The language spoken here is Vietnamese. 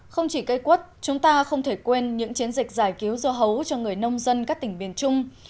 không chỉ cây quất chúng ta không thể quên những chiến dịch giải cứu dưa hấu cho người nông dân các tỉnh miền trung